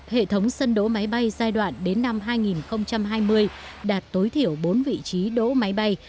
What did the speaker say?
hệ thống sân đỗ máy bay giai đoạn đến năm hai nghìn hai mươi đạt tối thiểu bốn vị trí đỗ máy bay